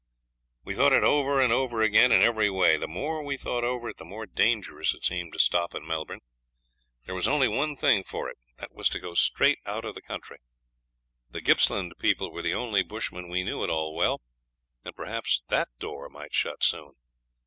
We thought it over and over again, in every way. The more we thought over it the more dangerous it seemed to stop in Melbourne. There was only one thing for it, that was to go straight out of the country. The Gippsland men were the only bushmen we knew at all well, and perhaps that door might shut soon.